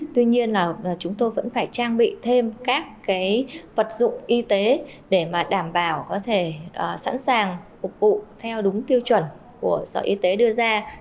tuy nhiên là chúng tôi vẫn phải trang bị thêm các vật dụng y tế để đảm bảo có thể sẵn sàng phục vụ theo đúng tiêu chuẩn của sở y tế đưa ra